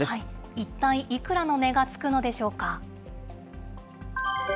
一体いくらの値がつくのでしょうか。